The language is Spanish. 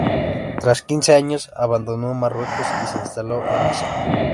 Tras quince años, abandonó Marruecos y se instaló en Niza.